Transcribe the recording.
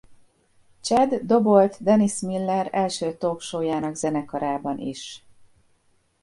Chad dobolt Dennis Miller első talk-showjának zenekarában is.